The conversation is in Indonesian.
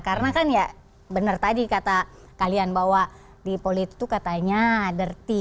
karena kan ya benar tadi kata kalian bahwa di politik itu katanya dirty